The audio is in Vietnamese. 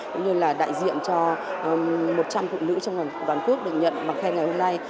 cũng như là đại diện cho một trăm linh phụ nữ trong toàn quốc được nhận bằng khen ngày hôm nay